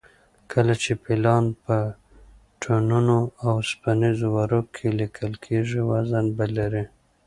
کله چې پلان په ټنونو اوسپنیزو ورقو کې لیکل کېږي وزن به لري